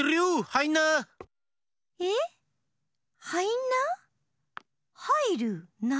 「はいんな」？